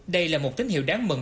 đây là một tín hiệu đáng mừng